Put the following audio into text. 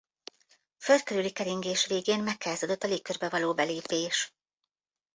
Föld körüli keringés végén megkezdődött a légkörbe való belépés.